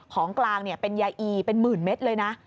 ของกลางเป็นยาอีเป็นหมื่นเม็ดเลยนะ